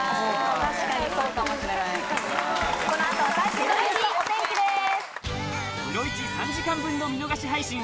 ・確かにそうかもしれない・この後は最新のニュースとお天気です。